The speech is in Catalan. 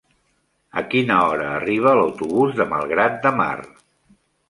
A quina hora arriba l'autobús de Malgrat de Mar?